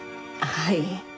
はい。